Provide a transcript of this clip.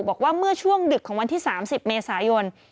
บอกว่าเมื่อช่วงดึกของวันที่๓๐เมษายน